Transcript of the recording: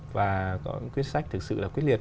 và có những quyết sách thực sự là quyết liệt